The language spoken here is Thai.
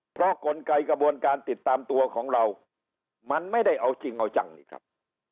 เพราะกลไกกระบวนการติดตามตัวของเรามันไม่ได้เอาจริงเอาจังนี่ครับ